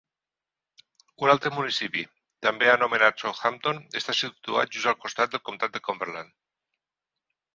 Un altre municipi també anomenat Southampton està situat just al costat del comtat de Cumberland.